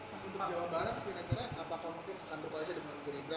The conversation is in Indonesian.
mas untuk jawa barat apakah mungkin akan berkaitan dengan gerindra